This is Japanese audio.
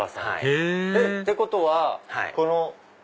へぇってことはこの。